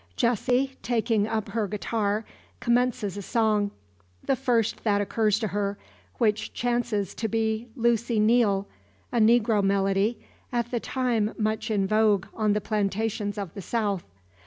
Jessie, taking up her guitar, commences a song, the first that occurs to her, which chances to be "Lucy Neal," a negro melody, at the time much in vogue on the plantations of the South.